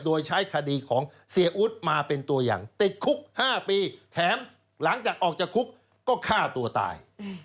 โดยใช้คดีของเสียอุ๊ดมาเป็นตัวอย่างติดคุก๕ปีแถมหลังจากออกจากคุกก็ฆ่าตัวตาย